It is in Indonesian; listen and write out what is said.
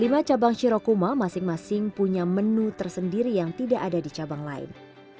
lima cabang shirokuma masing masing punya menu tersendiri yang tidak ada di cabang lain